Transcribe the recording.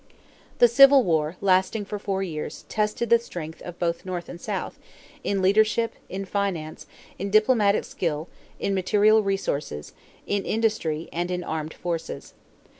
The Civil War, lasting for four years, tested the strength of both North and South, in leadership, in finance, in diplomatic skill, in material resources, in industry, and in armed forces.